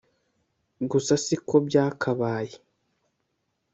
Gusa si ko byakabaye,